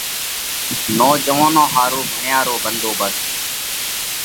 نوجوئونون ۿارُو ڀڻيا رو ٻڌوئي ڀنڌوڀست: